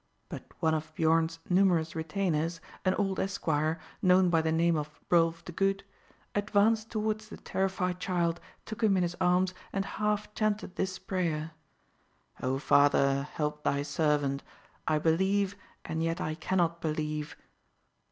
But one of Biorn's numerous retainers, an old esquire, known by the name of Rolf the Good, advanced towards the terrified child, took him in his arms, and half chanted this prayer: "O Father, help Thy servant! I believe, and yet I cannot believe."